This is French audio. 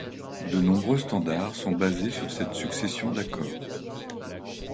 De nombreux standards sont basés sur cette succession d'accords.